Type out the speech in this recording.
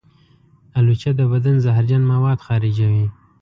الوچه د بدن زهرجن مواد خارجوي.